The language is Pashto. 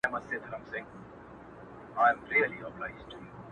هوښيار نور منع کړل و ځان ته يې غوښتلی شراب’